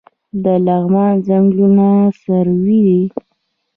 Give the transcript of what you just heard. د لغمان ځنګلونه سروې دي